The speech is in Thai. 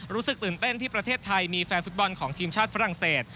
รู้สึกตื่นเต้นที่ประเทศไทยมีแฟนฟุตบอลของทีมชาติฝรั่งเศส